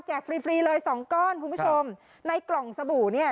ฟรีฟรีเลยสองก้อนคุณผู้ชมในกล่องสบู่เนี่ย